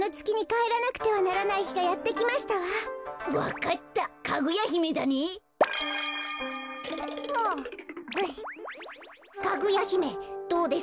かぐやひめどうです？